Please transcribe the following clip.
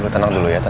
tenang dulu ya